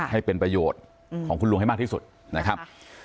ให้เป็นประโยชน์ของคุณลุงให้มากที่สุดนะครับ